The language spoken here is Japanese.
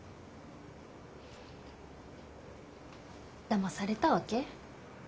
だまされたわけ？